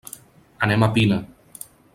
Anem a Pina.